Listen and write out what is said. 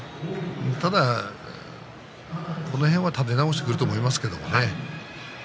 ただその辺は立て直してくると思いますよ。